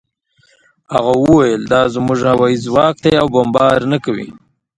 هغه وویل دا زموږ هوايي ځواک دی او بمبار نه کوي